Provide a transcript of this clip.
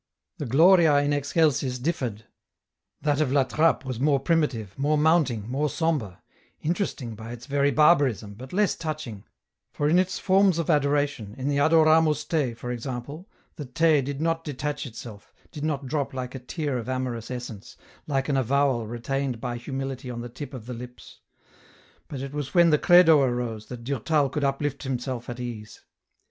The " Gloria in Excelsis " differed ; that of La Trappe was more primitive, more mounting, more sombre, interesting by its very barbarism, but less touching, for in its forms of adoration, in the " Adoramus te," for example, the " te " did not detach itself, did not drop like a tear of amorous essence, like an avowal retained by humility on the tip of the lips ; but it was when the Credo arose, that Durtal could uplift himself at ease.